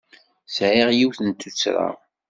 Sɛiɣ yiwet n tuttra.